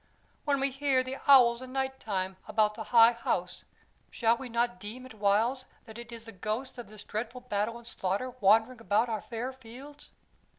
When we hear the owls a nighttime about the High House, shall we not deem at whiles that it is the ghosts of this dreadful battle and slaughter wandering about our fair fields?"